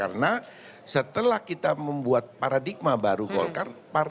karena setelah kita membuat paradigma baru golkar